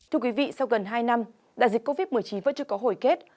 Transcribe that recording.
thưa quý vị sau gần hai năm đại dịch covid một mươi chín vẫn chưa có hồi kết